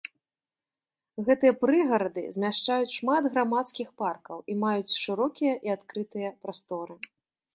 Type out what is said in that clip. Гэтыя прыгарады змяшчаюць шмат грамадскіх паркаў і маюць шырокія і адкрытыя прасторы.